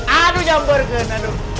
aduh nyambor genan aduh